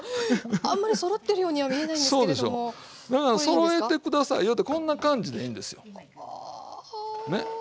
そろえて下さいよってこんな感じでいいんですよね。